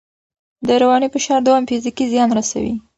د رواني فشار دوام فزیکي زیان رسوي.